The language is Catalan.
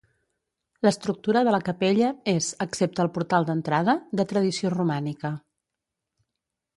L'estructura de la capella és, excepte el portal d'entrada, de tradició romànica.